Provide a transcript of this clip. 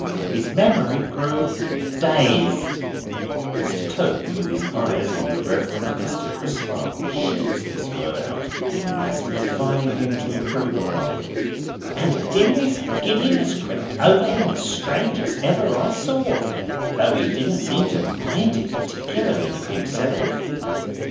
His memory grew DAZED." Mr. Tope, with his eyes on the Reverend Mr. Crisparkle, shoots this word out, as defying him to improve upon it: "and a dimness and giddiness crept over him as strange as ever I saw: though he didn't seem to mind it particularly, himself.